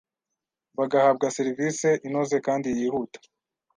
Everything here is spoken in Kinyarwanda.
bagahabwa serivisi inoze kandi yihuta